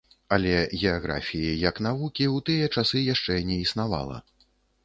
Але геаграфіі, як навукі, у тыя часы яшчэ не існавала.